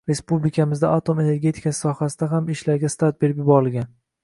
Respublikamizda atom energetikasi sohasida ham ishlarga start berib yuborilgan.